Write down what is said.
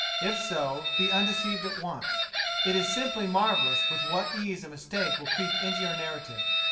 If so, be undeceived at once. It is simply marvellous with what ease a mistake will creep into your narrative.